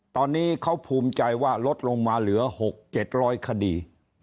ตอนนี้เขาภูมิใจว่าลดลงมาเหลือ๖๗๐๐คดี